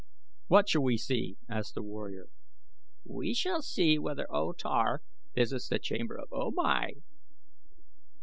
"What shall we see?" asked a warrior. "We shall see whether O Tar visits the chamber of O Mai."